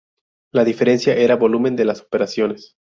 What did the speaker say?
La diferencia era el volumen de las operaciones.